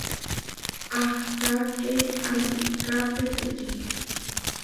Áhta ké asiká peteči.